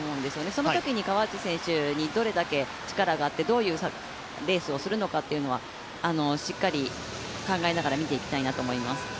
そのときに川内選手にどれだけ力があって、どういうレースをするのかというのはしっかり考えながら見ていきたいと思います。